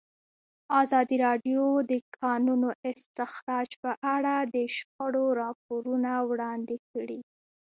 ازادي راډیو د د کانونو استخراج په اړه د شخړو راپورونه وړاندې کړي.